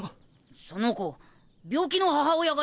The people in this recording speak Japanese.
その子病気の母親がいるんだ。